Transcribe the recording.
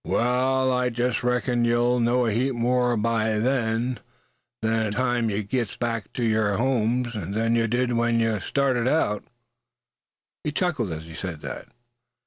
"Wall, I jest reckons ye'll know a heap more by ther time ye gits back ter yer homes'n yuh did w'en yuh started out." He chuckled as he said that.